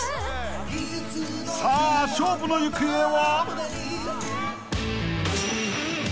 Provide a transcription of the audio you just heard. ［さあ勝負の行方は？］